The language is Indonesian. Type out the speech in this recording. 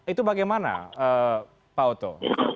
itu bagaimana pak oto